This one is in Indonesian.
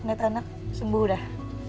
nget anak sembuh dah